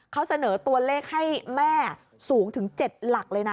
เขาเสนอตัวเลขให้แม่สูงถึง๗หลักเลยนะ